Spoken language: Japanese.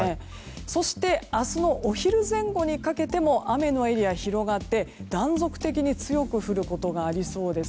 そして明日のお昼前後にかけても雨のエリアは広がって、断続的に強く降ることがありそうです。